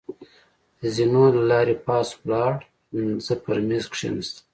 د زېنو له لارې پاس ولاړ، زه پر مېز کېناستم.